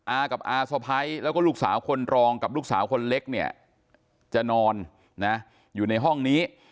อากับอาสะพ้ายแล้วก็ลูกสาวคนรองกับลูกสาวคนเล็กเนี่ยจะนอนนะอยู่ในห้องนี้